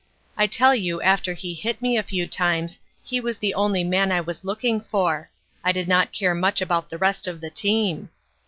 I tell you after he hit me a few times he was the only man I was looking for; I did not care much about the rest of the team.